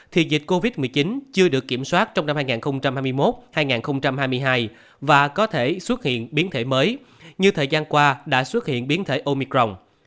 thì dịch covid một mươi chín chưa được kiểm soát trong năm hai nghìn hai mươi một hai nghìn hai mươi hai và có thể xuất hiện biến thể mới như thời gian qua đã xuất hiện biến thể omicron